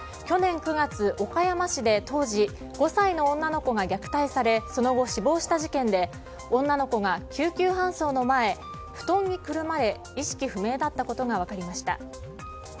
去年９月、岡山市で当時５歳の女の子が虐待されその後、死亡した事件で女の子が救急搬送の前布団にくるまれ意識不明だったことが分かりました。